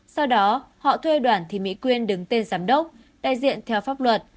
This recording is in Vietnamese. sau đó họ thuê đoàn thị mỹ quyên đứng tên giám đốc đại diện theo pháp luật